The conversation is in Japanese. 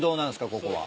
ここは。